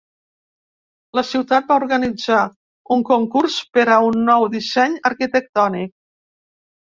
La ciutat va organitzar un concurs per a un nou disseny arquitectònic.